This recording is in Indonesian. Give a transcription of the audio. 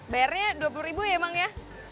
bayarnya rp dua puluh ya emang ya